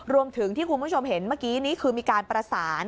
รวมถึงที่คุณผู้ชมเห็นเมื่อกี้นี้คือมีการประสาน